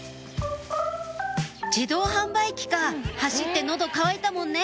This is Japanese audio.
自動販売機か走って喉渇いたもんね